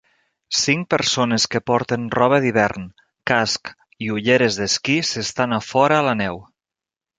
Cinc persones que porten roba d'hivern, casc i ulleres d'esquí s'estan a fora a la neu.